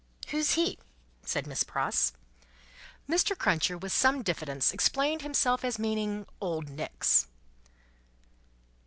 "Who's he?" said Miss Pross. Mr. Cruncher, with some diffidence, explained himself as meaning "Old Nick's."